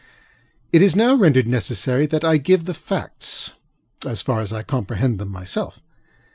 It is now rendered necessary that I give the factsŌĆöas far as I comprehend them myself.